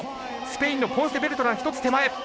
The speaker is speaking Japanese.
スペインのポンセベルトラン１つ手前。